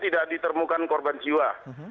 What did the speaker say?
tidak diterimukan korban jiwa